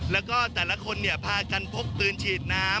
แล้วก็แต่ละคนพากันพกปืนฉีดน้ำ